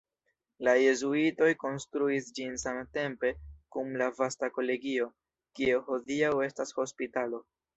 La jezuitoj konstruis ĝin samtempe kun la vasta kolegio, kie hodiaŭ estas hospitalo.